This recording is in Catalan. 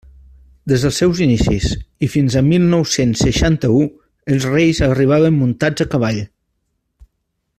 Des dels seus inicis i fins al mil nou-cents seixanta-u, els Reis arribaven muntats a cavall.